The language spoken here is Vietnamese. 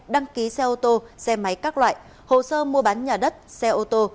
đăng ký xe ô tô xe máy các loại hồ sơ mua bán nhà đất xe ô tô